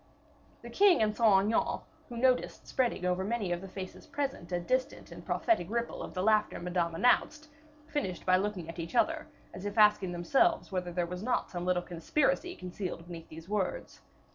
The king and Saint Aignan, who noticed spreading over many of the faces present a distant and prophetic ripple of the laughter Madame announced, finished by looking at each other, as if asking themselves whether there was not some little conspiracy concealed beneath these words.